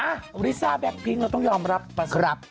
อ้าวลิซ่าแบคพิ้งเราต้องยอมรับประสุทธิ์